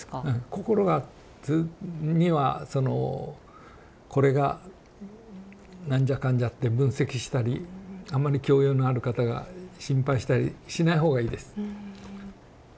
心がにはその「これがなんじゃかんじゃ」って分析したりあんまり教養のあるかたが心配したりしないほうがいいです。